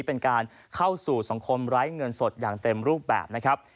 เป็นการเข้าสู่สังคมไร้เงินสดอย่างเต็มรูปแบบนะครับ